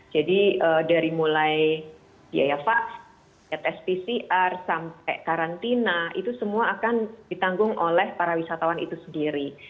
jadi dari mulai biaya fax test pcr sampai karantina itu semua akan ditanggung oleh para wisatawan itu sendiri